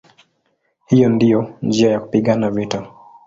Hiyo ndiyo njia ya kupigana vita".